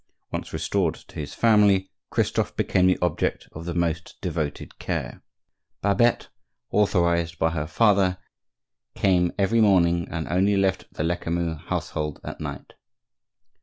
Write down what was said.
Once restored to his family, Christophe became the object of the most devoted care. Babette, authorized by her father, came very morning and only left the Lecamus household at night.